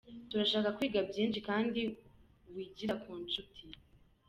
Turashaka kwiga byinshi kandi wigira ku nshuti.